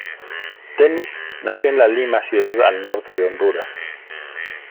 Dennis nació en La Lima, ciudad al norte de Honduras.